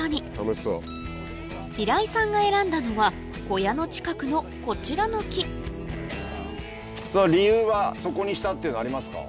平井さんが選んだのは小屋の近くのこちらの木そこにしたっていうのはありますか？